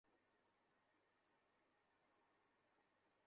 কীভাবে অধিকাংশ ভোটারের কাছে পৌঁছানো যায় সেই চেষ্টা ছিলই সবার মধ্যে।